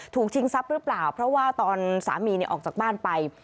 ชิงทรัพย์หรือเปล่าเพราะว่าตอนสามีออกจากบ้านไป